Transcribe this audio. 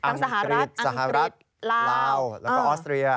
อังกฤษอังกฤษลาวแล้วก็ออสเตรีย